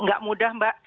nggak mudah mbak